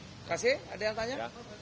terima kasih ada yang tanya